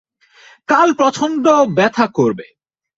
কাল প্রচণ্ড ব্যথা করবে।